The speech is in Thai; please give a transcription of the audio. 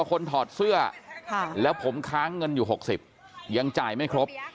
คนถอดเสื้อแล้วผมค้างเงินอยู่๖๐ยังจ่ายไม่ครบ